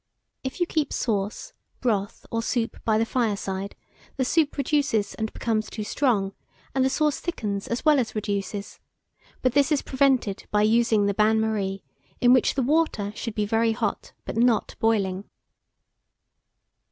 If you keep sauce, broth, or soup by the fireside, the soup reduces and becomes too strong, and the sauce thickens as well as reduces; but this is prevented by using the bain marie, in which the water should be very hot, but not boiling.